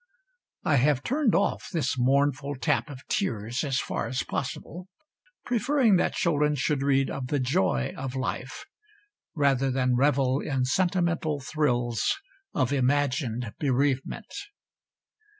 I have turned off this mournful tap of tears as far as possible, preferring that children should read of the joy of life, rather than revel in sentimental thrills of imagined bereavement.